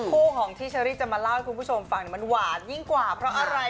ของที่เชอรี่จะมาเล่าให้คุณผู้ชมฟังมันหวานยิ่งกว่าเพราะอะไร